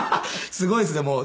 すごいですねもう。